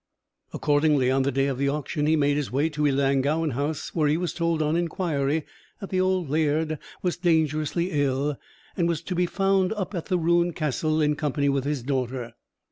Accordingly, on the day of the auction, he made his way to Ellangowan House, where he was told, on inquiry, that the old laird was dangerously ill, and was to be found up at the ruined castle in company with his daughter.